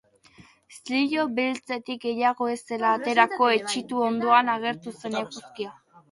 Zilo beltzetik gehiago ez zela aterako etsitu ondoan agertu zen eguzkia.